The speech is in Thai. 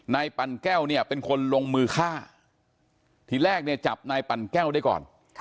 ปั่นแก้วเนี่ยเป็นคนลงมือฆ่าทีแรกเนี่ยจับนายปั่นแก้วได้ก่อน